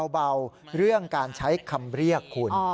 เบาเรื่องการใช้คำเรียกคุณ